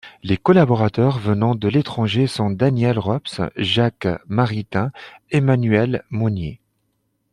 Les collaborateurs venant de l'étranger sont Daniel-Rops, Jacques Maritain, Emmanuel Mounier.